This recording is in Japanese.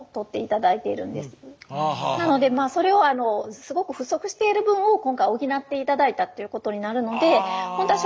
なのですごく不足している分を今回補って頂いたっていうことになるのでなるほどね！